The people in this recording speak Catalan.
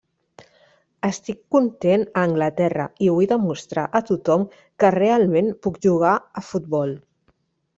Estic content a Anglaterra i vull demostrar a tothom que realment puc jugar a futbol.